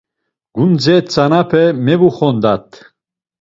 Gundze tzanape mevuxondat.